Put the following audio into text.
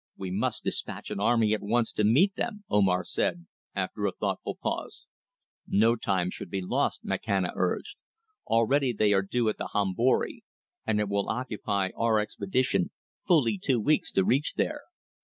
"We must dispatch an army at once to meet them," Omar said, after a thoughtful pause. "No time should be lost," Makhana urged. "Already they are due at the Hombori, and it will occupy our expedition fully two weeks to reach there.